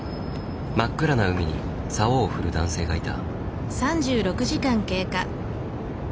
真っ暗な海にさおを振る男性がいた。